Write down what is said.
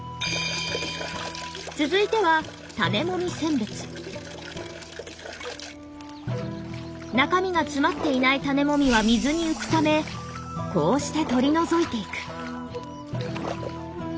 続いては中身が詰まっていない種籾は水に浮くためこうして取り除いていく。